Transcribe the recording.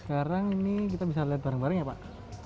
sekarang ini kita bisa lihat bareng bareng ya pak